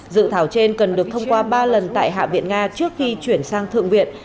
dự thảo trên cần được thông qua ba lần tại hạ viện nga trước khi chuyển sang thượng viện